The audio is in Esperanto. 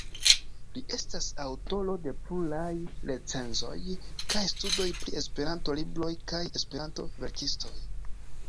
Li estas aŭtoro de pluraj recenzoj kaj studoj pri Esperanto-libroj kaj Esperanto-verkistoj.